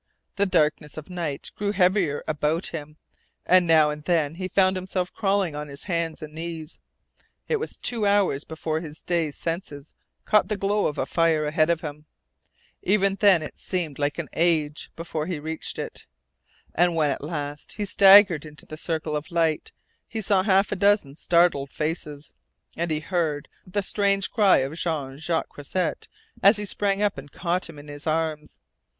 The darkness of night grew heavier about him, and now and then he found himself crawling on his hands and knees. It was two hours before his dazed senses caught the glow of a fire ahead of him. Even then it seemed an age before he reached it. And when at last he staggered into the circle of light he saw half a dozen startled faces, and he heard the strange cry of Jean Jacques Croisset as he sprang up and caught him in his arms.